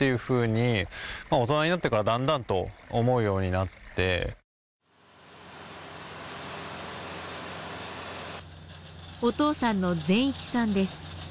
やっぱお父さんの善一さんです。